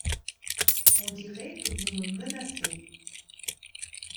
On dirait que vous me menacez!